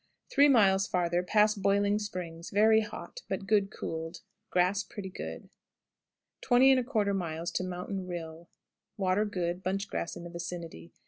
Three miles farther pass boiling springs, very hot, but good cooled. Grass pretty good. 20 1/4. Mountain Rill. Water good; bunch grass in the vicinity.